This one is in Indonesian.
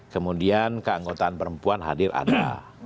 kemudian keanggotaan perempuan hadir ada